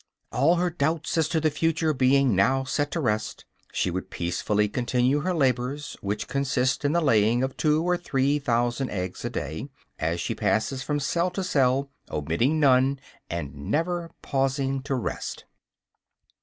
All her doubts as to the future being now set at rest, she would peacefully continue her labors, which consist in the laying of two or three thousand eggs a day, as she passes from cell to cell, omitting none, and never pausing to rest.